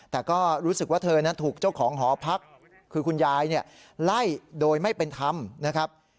แต่ก็รู้สึกว่าเธอนั้นถูกเจ้าของหอพักคือคุณยายไล่โดยไม่เป็นธรรมนะครับ